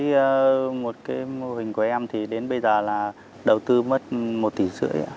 với một cái mô hình của em thì đến bây giờ là đầu tư mất một tỷ rưỡi